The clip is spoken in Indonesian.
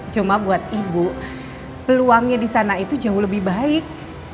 cuma buat ibu peluangnya di sana itu jauh lebih baik